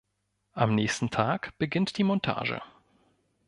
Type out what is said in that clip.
Am nächsten Tag beginnt die Montage.